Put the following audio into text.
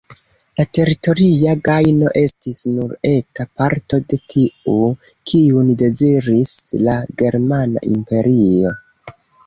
La teritoria gajno estis nur eta parto de tiu, kiun deziris la germana imperio.